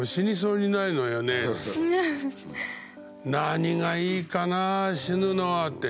「何がいいかな？死ぬのは」って。